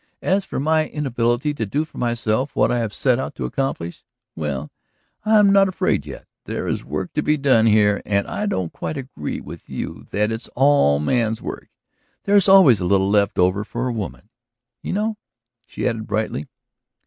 As for my inability to do for myself what I have set out to accomplish ... well, I am not afraid yet. There is work to be done here and I don't quite agree with you that it's all man's work. There's always a little left over for a woman, you know," she added brightly.